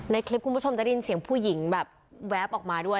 ในคลิปคุณผู้ชมจะได้ยินเสียงผู้หญิงแบบแวบออกมาด้วย